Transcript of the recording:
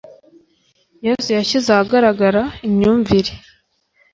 yesu yashyize ahagaragara imyumvire